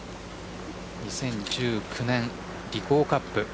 ２０１９年、リコーカップ。